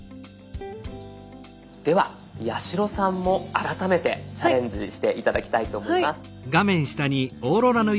では八代さんも改めてチャレンジして頂きたいと思います。